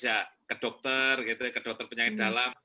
ya ke dokter ke dokter penyakit dalam